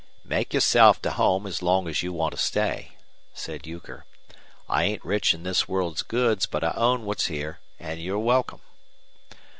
"Make yourself to home as long as you want to stay," said Euchre. "I ain't rich in this world's goods, but I own what's here, an' you're welcome."